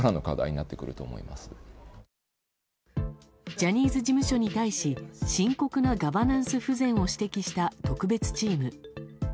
ジャニーズ事務所に対し深刻なガバナンス不全を指摘した特別チーム。